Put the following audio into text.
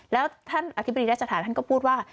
แล้วฐานอคติบดิรัฐจรรย์ฐานฐานก็พูดว่า